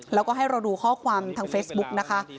แล้วก็ให้เราดูข้อความทางเฟซบุ๊กนะคะ